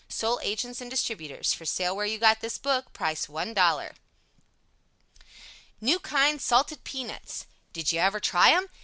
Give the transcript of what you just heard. Sole Agents and Distributors For Sale where you got this book. Price $1.00 NEW KIND SALTED PEANUTS Did you ever try them?